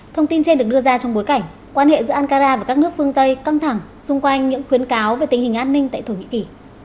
thông tin trên được đưa ra trong bối cảnh quan hệ giữa ankara và các nước phương tây căng thẳng xung quanh những khuyến cáo về tình hình an ninh tại thổ nhĩ kỳ